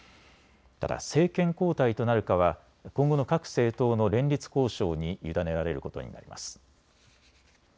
ただ政権交代となるかは今後の各政党の連立交渉に委ねられることになります。